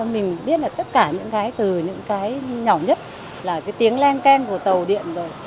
mình biết là tất cả những cái từ những cái nhỏ nhất là cái tiếng len keng của tàu điện rồi